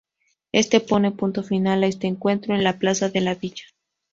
Esto pone punto final a este encuentro en la plaza de la villa.